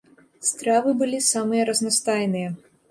Стравы былі самыя разнастайныя.